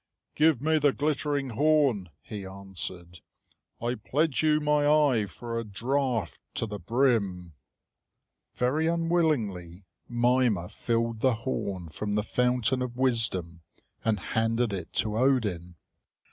"Give me the glittering horn," he answered. "I pledge you my eye for a draught to the brim." Very unwillingly Mimer filled the horn from the fountain of wisdom and handed it to Odin.